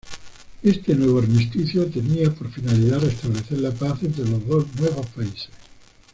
Este nuevo armisticio tenía por finalidad restablecer la paz entre los dos nuevos países.